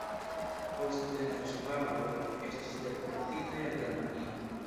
Poste la ŝvaboj estis deportitaj al Germanio.